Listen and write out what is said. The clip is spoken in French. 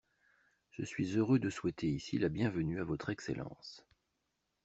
Je suis heureux de souhaiter ici la bienvenue à Votre Excellence.